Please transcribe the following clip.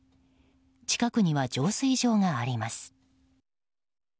近くには浄水場があります。